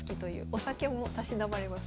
お酒もたしなまれます。